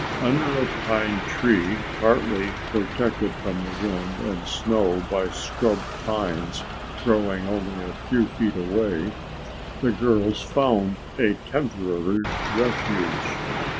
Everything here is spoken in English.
Under a pine tree partly protected from the wind and snow by scrub pines growing only a few feet away, the girls found a temporary refuge.